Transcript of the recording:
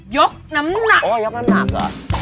ยกน้ำหนัก